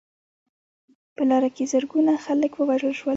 په لاره کې زرګونه خلک ووژل شول.